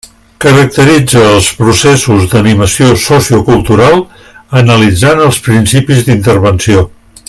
Caracteritza els processos d'animació sociocultural, analitzant els principis d'intervenció.